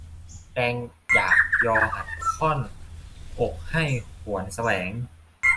แรงอยากยอหัตถ์ข้อน อกให้หวนแสวง